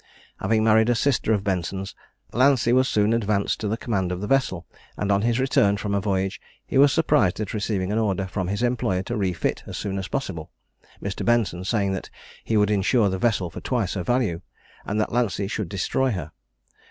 Having married a sister of Benson's, Lancey was soon advanced to the command of the vessel; and on his return from a voyage, he was surprised at receiving an order from his employer to refit as soon as possible, Mr. Benson saying that he would insure the vessel for twice her value, and that Lancey should destroy her.